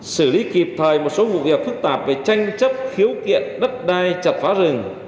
xử lý kịp thời một số vụ việc phức tạp về tranh chấp khiếu kiện đất đai chặt phá rừng